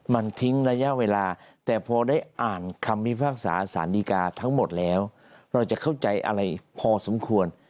มันทิ้งระยะเวลาแต่พอได้อ่านคำพิพากษาสารดีกาทั้งหมดแล้วเราจะเข้าใจอะไรพอสมควร